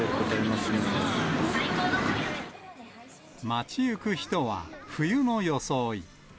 街行く人は、冬の装い。